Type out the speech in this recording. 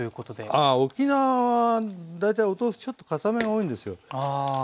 あ沖縄は大体お豆腐ちょっとかためが多いんですよ。